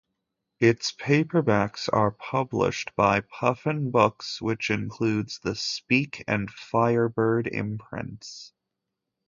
Its paperbacks are published by Puffin Books, which includes the Speak and Firebird imprints.